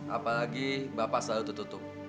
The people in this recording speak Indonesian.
apalagi bapak selalu tertutup